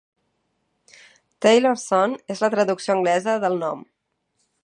"Tailor's Son" és la traducció anglesa del nom.